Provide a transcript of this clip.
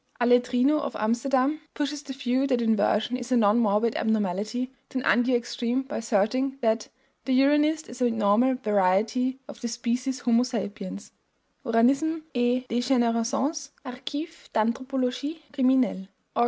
Aletrino of Amsterdam pushes the view that inversion is a non morbid abnormality to an undue extreme by asserting that "the uranist is a normal variety of the species Homo sapiens" ("Uranisme et Dégénérescence," Archives d'Anthropologie Criminelle, Aug.